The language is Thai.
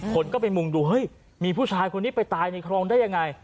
คนก็ไปมุงดูเฮ้ยมีผู้ชายคนนี้ไปตายในคลองได้ยังไง